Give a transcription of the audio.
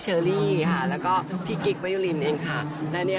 ข้อหนักค่ะแล้วก็ที่กิทย์มะยุนินเองค่ะและเนี่ย